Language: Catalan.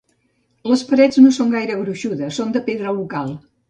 Les parets no són gaire gruixudes, són de pedra local.